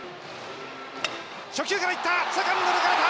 初球からいった！